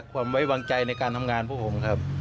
ความไว้วางใจในการทำงานพวกผมครับ